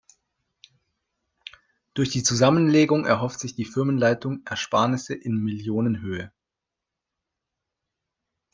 Durch die Zusammenlegung erhofft sich die Firmenleitung Ersparnisse in Millionenhöhe.